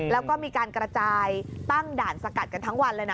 แล้วก็มีการกระจายตั้งด่านสกัดกันทั้งวันเลยนะ